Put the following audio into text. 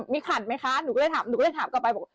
มีขัดไหมคะหนูก็เลยถามหนูก็เลยถามกลับไปบอก